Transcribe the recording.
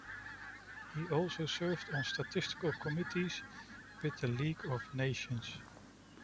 He also served on statistical committees with the League of Nations.